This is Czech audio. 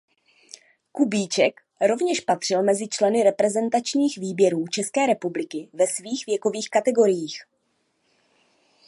Kubíček rovněž patřil mezi členy reprezentačních výběrů České republiky ve svých věkových kategoriích.